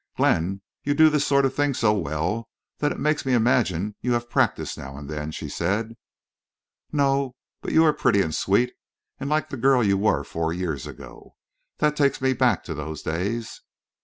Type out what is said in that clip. "Glenn, you do this sort of thing so well that it makes me imagine you have practice now and then," she said. "No. But you are pretty and sweet, and like the girl you were four years ago. That takes me back to those days."